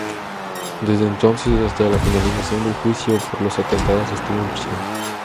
Desde entonces hasta la finalización del juicio por los atentados estuvo en prisión.